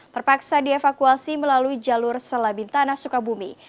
terpaksa dievakuasi melalui jalur selabin tanah sukabumi